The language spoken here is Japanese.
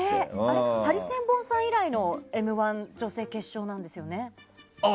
ハリセンボンさん以来の「Ｍ‐１」女性決勝なんですよね。